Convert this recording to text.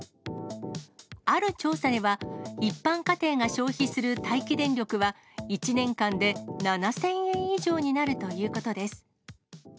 ある調査では、一般家庭が消費する待機電力は、１年間で７０００円以上になるということです。